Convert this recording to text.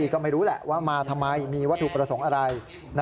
ก็ไม่รู้แหละว่ามาทำไมมีวัตถุประสงค์อะไร